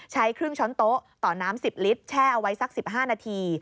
ใช้ครึ่งช้อนโต๊ะต่อน้ำ๑๐ลิตรแช่เอาไว้สัก๑๕นาที